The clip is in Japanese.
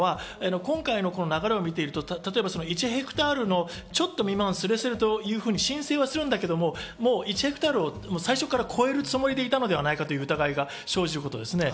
気になっているのは今回の流れを見ていくと、１ヘクタールのちょっと未満すれすれというふうに申請するんだけど１ヘクタールを最初から超えるつもりでいたのではないかという疑いが生じる。